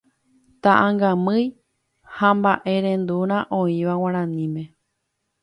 Ta'ãngamýi ha mba'erendurã oĩva guaraníme